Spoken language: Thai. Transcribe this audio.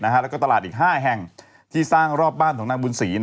แล้วก็ตลาดอีก๕แห่งที่สร้างรอบบ้านของนางบุญศรี